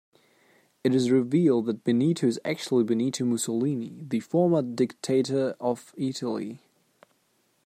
It is revealed that Benito is actually Benito Mussolini, the former dictator of Italy.